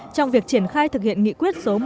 trong việc triển khai thực hiện nghị quyết số một mươi